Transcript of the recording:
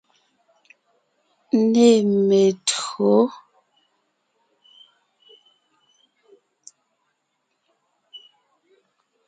Nê me[o tÿǒ.